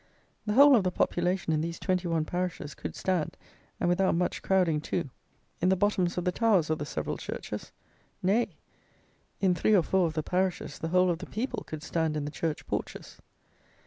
The whole of the population in these twenty one parishes could stand, and without much crowding too, in the bottoms of the towers of the several churches. Nay, in three or four of the parishes, the whole of the people could stand in the church porches.